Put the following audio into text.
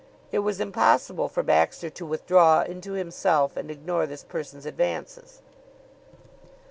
It was impossible for Baxter to withdraw into himself and ignore this person's advances.